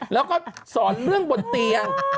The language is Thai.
แล้วก็สอนเรื่องบนเตียง